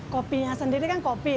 kopinya sendiri kan kopi